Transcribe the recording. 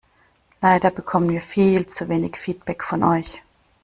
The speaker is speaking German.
Leider bekommen wir viel zu wenig Feedback von euch.